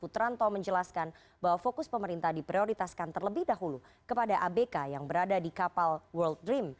putranto menjelaskan bahwa fokus pemerintah diprioritaskan terlebih dahulu kepada abk yang berada di kapal world dream